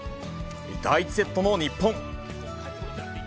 第１セットの日本。